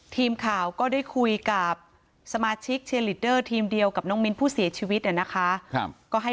ทีมข่าวก็ได้คุยกับสมาชิกเชียร์ลิดเดอร์ทีมเดียวกับน้องมิ้นผู้เสียชีวิตนะคะ